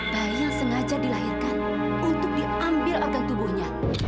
bayi sengaja dilahirkan untuk diambil organ tubuhnya